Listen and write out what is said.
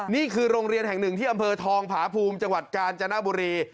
นี่คือโรงเรียนแห่งหนึ่งที่อำเภอทองผาภูมิจังหวัดกาญจนบุรี